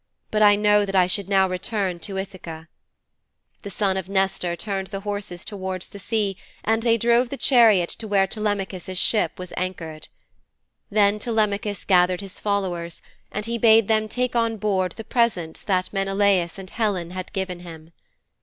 But I know that I should now return to Ithaka.' The son of Nestor turned the horses towards the sea and they drove the chariot to where Telemachus' ship was anchored. Then Telemachus gathered his followers, and he bade them take on board the presents that Menelaus and Helen had given him.